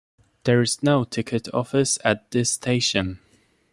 There is no ticket office at this station.